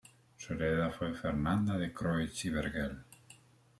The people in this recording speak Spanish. Su heredera fue Fernanda de Croix y Vergel.